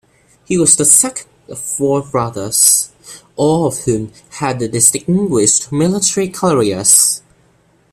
He was the second of four brothers, all of whom had distinguished military careers.